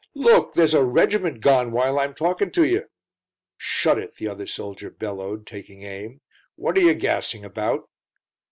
look! there's a regiment gone while I'm talking to ye." "Shut it!" the other soldier bellowed, taking aim, "what are ye gassing about!"